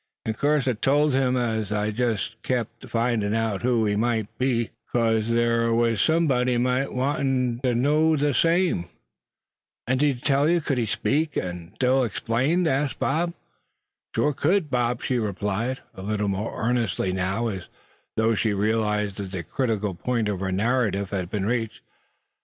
In course I tole him as how I jest kim ter fin' out who he mout be, 'case thar was somebody as 'peared mighty wantin' ter know thet same." "And did he tell you; could he speak still, and explain?" asked Bob. "He shore cud, Bob," she replied, a little more earnestly now, as though she realized that the critical point of her narrative had been reached.